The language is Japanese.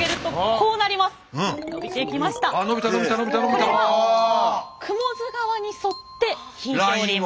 これが雲出川に沿って引いております。